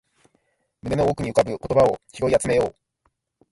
胸の奥に浮かぶ言葉を拾い集めよう